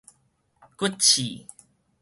骨刺